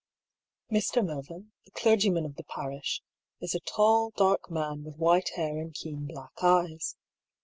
Mr. Mervyn, the clergyman of the parish, is a tall, dark man with white hair and keen black eyes.